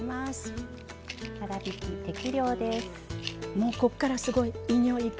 もうこっからすごいいい匂いいく？